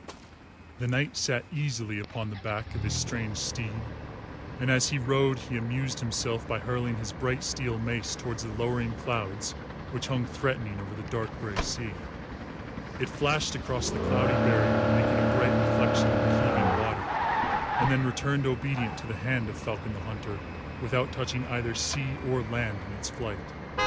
The knight sat easily upon the back of his strange steed, and as he rode he amused himself by hurling his bright steel mace towards the lowering clouds which hung threatening over the dark grey sea. It flashed across the cloudy barrier, making a bright reflection in the heaving water, and then returned obedient to the hand of Falcon the Hunter without touching either sea or land in its flight.